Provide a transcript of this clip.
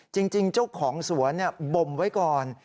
จริงเจ้าของสวนบมไว้ก่อน